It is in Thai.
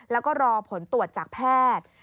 แล้วก็รอผลตรวจจากแพทย์